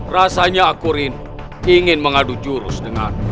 rasanya akurin ingin mengadu jurus dengan